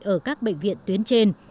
ở các bệnh viện tuyến trên